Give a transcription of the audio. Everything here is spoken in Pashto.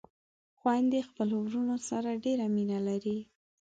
خويندې خپلو وروڼو سره ډېره مينه لري